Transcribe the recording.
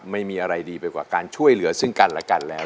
ไม่มีอะไรดีไปกว่าการช่วยเหลือซึ่งกันและกันแล้ว